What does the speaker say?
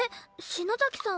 篠崎さん